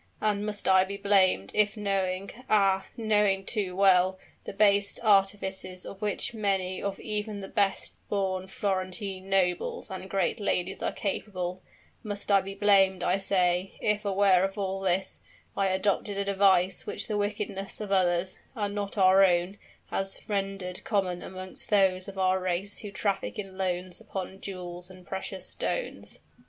and must I be blamed, if knowing ah! knowing too well, the base artifices of which many of even the best born Florentine nobles and great ladies are capable, must I be blamed, I say, if aware of all this, I adopted a device which the wickedness of others, and not our own, has rendered common amongst those of our race who traffic in loans upon jewels and precious stones."